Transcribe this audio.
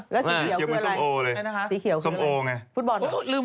แล้วสีเขียวคืออะไร